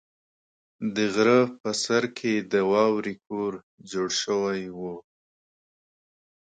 د غره په سر کې د واورې کور جوړ شوی و.